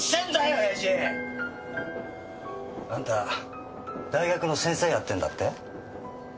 おやじ！あんた大学の先生やってんだって？